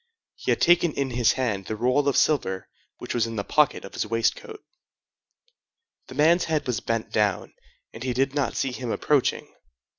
He had taken in his hand the roll of silver which was in the pocket of his waistcoat. The man's head was bent down, and he did not see him approaching.